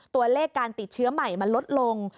ตัวเลขการติดเชื้อใหม่มันลดลง